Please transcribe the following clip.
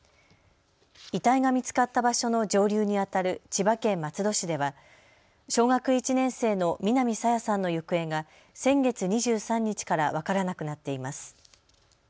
遺体が見つかった場所の上流にあたる千葉県松戸市では小学１年生の南朝芽さんの行方が先月２３日から分からなくなっています。